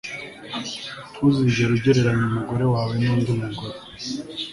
Ntuzigere ugereranya umugore wawe nundi mugore